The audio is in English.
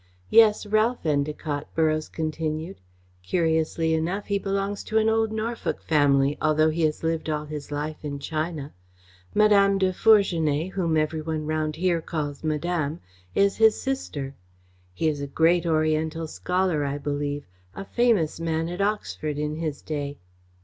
"Yes, Ralph Endacott," Borroughes continued. "Curiously enough, he belongs to an old Norfolk family, although he has lived all his life in China. Madame de Fourgenet, whom every one round here calls 'Madame', is his sister. He is a great Oriental scholar, I believe. A famous man at Oxford, in his day.